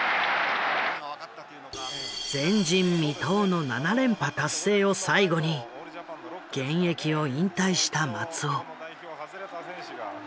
前人未到の７連覇達成を最後に現役を引退した松尾。